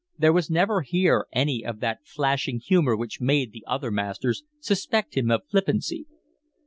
There was never here any of that flashing humour which made the other masters suspect him of flippancy.